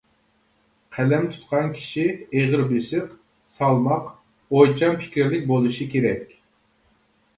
قەلەم تۇتقان كىشى ئېغىر-بېسىق، سالماق، ئويچان پىكىرلىك بولۇشى كېرەك.